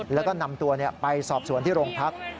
แล้วก็นำตัวไปสอบสวนที่โรงพัก